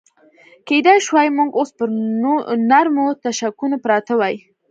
کېدای شوای موږ اوس پر نرمو تشکونو پراته وای.